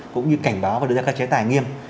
cũng như cảnh báo và đưa ra các chế tài nghiêm